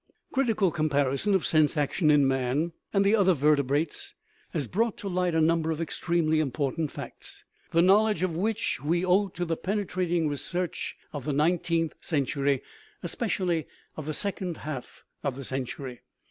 Critical comparison of sense action in man and the other vertebrates has brought to light a number of ex tremely important facts, the knowledge of which we 295 THE RIDDLE OF THE UNIVERSE owe to the penetrating research of the nineteenth cen tury, especially of the second half of the century.